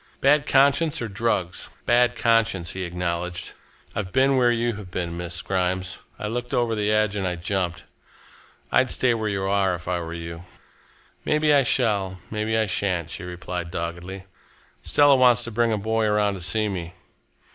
"Bad conscience or drugs?" she asked. "Bad conscience," he acknowledged. "I've been where you have been Miss Grimes. I looked over the edge and I jumped. I'd stay where you are, if I were you." "Maybe I shall, maybe I shan't," she replied doggedly. "Stella wants to bring a boy around to see me.